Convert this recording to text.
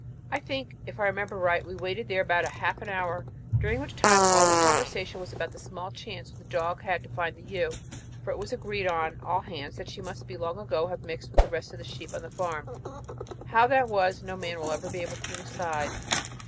I think, if I remember right, we waited there about half an hour, during which time all the conversation was about the small chance which the dog had to find the ewe, for it was agreed on all hands that she must long ago have mixed with the rest of the sheep on the farm. How that was, no man will ever be able to decide.